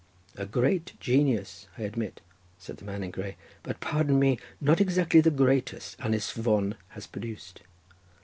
"A great genius I admit," said the man in grey, "but pardon me, not exactly the greatest Ynis Fon has produced.